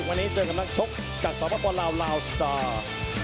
วันนี้เจอกับนักชกจากสปลาวลาวสตาร์